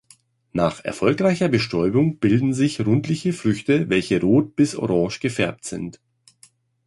Nach erfolgreicher Bestäubung bilden sich rundliche Früchte welche rot bis orange gefärbt sind.